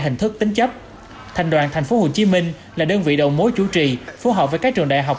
hình thức tính chấp thành đoàn tp hcm là đơn vị đầu mối chủ trì phối hợp với các trường đại học